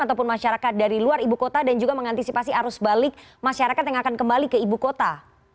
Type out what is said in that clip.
ataupun masyarakat dari luar ibu kota dan juga mengantisipasi arus balik masyarakat yang akan kembali ke ibu kota